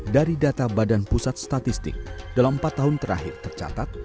dari data badan pusat statistik dalam empat tahun terakhir tercatat